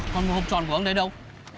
con một hộp tròn của ông đấy đâu